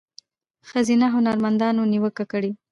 ښځینه هنرمندانو نیوکه کړې